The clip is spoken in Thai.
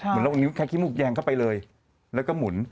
เราเอานิ้วแค่ขี้มูกแยงเข้าไปเลยแล้วก็หมุน